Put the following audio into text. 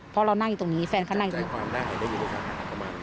เพราะเรานั่งอยู่ตรงนี้แฟนเขานั่งอยู่ตรงนี้